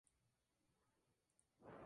Aun a costa de sus propias vidas.